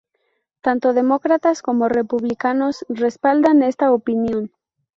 Tanto demócratas como republicanos respaldan esta opinión.